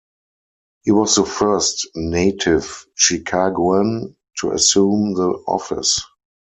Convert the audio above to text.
He was the first native Chicagoan to assume the office.